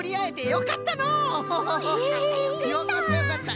よかったよかった。